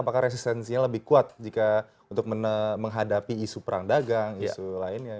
apakah resistensinya lebih kuat jika untuk menghadapi isu perang dagang isu lainnya